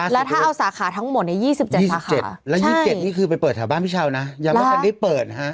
แล้วถ้าเอาสาขาทั้งหมด๒๗สาขา๗แล้ว๒๗นี่คือไปเปิดแถวบ้านพี่เช้านะย้ำว่ากันได้เปิดนะฮะ